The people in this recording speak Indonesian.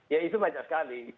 ya itu banyak sekali